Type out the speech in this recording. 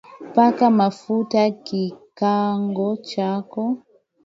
paka mafuta kikaango chako